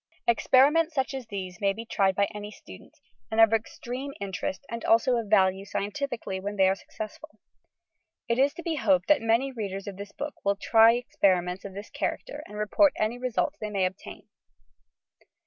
Experiments such as these may be tried by any student, and are of extreme interest and also of value, scientifically, when they are successful. It is to be hoped that many readers of this book will try experiments of this character and report any results they may obtain!